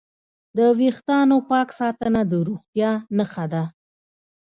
د وېښتانو پاک ساتنه د روغتیا نښه ده.